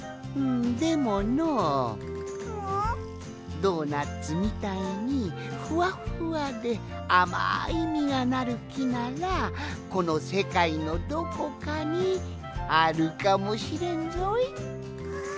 ドーナツみたいにふわっふわであまいみがなるきならこのせかいのどこかにあるかもしれんぞい。